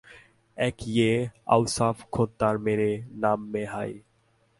এক ইয়ে ওয়াসাফ খোদাদাদ মেরে নাম মেঁ হ্যায়